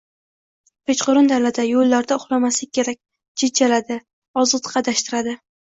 Kechqurun dalada, yoʻllarda uxlamaslik kerak, jin chaladi, ozitqi adashtiradi.